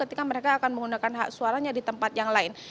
ketika mereka akan menggunakan hak suaranya di tempat yang lain